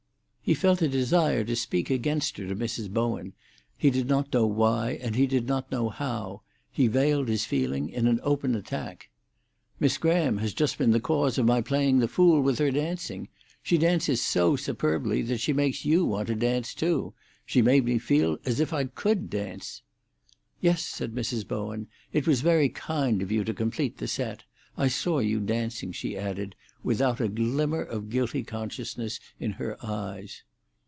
He felt a desire to speak against her to Mrs. Bowen, he did not know why and he did not know how; he veiled his feeling in an open attack. "Miss Graham has just been the cause of my playing the fool, with her dancing. She dances so superbly that she makes you want to dance too—she made me feel as if I could dance." "Yes," said Mrs. Bowen; "it was very kind of you to complete the set. I saw you dancing," she added, without a glimmer of guilty consciousness in her eyes.